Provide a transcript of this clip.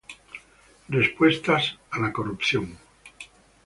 Respuestas a la corrupción".